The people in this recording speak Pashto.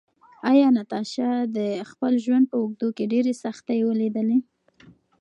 ایا ناتاشا د خپل ژوند په اوږدو کې ډېرې سختۍ ولیدلې؟